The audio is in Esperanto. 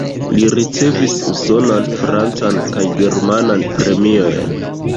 Li ricevis usonan, francan kaj germanan premiojn.